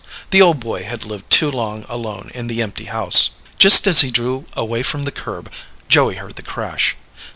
The old boy had lived too long alone in the empty house. Just as he drew away from the curb, Joey heard the crash.